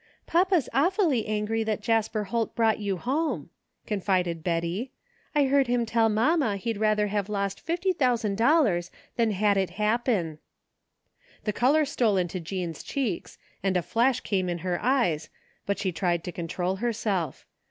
" Papa's awfully angry that Jasper Holt brought you home," confided Betty. " I heard him tell mamma he'd rather have lost fifty thousand dollars than had it happen." The color stole into Jean's cheeks and a flash came in her eyes, but she tried to control herself.